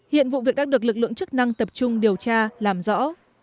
hiện vụ việc đã được lực lượng chức năng tập trung điều tra làm rõ